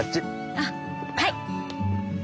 あっはい。